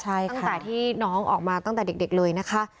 ใช่ค่ะแต่ที่น้องออกมาตั้งแต่เด็กเลยนะคะ